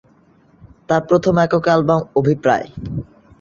তার প্রথম একক অ্যালবাম "অভিপ্রায়"।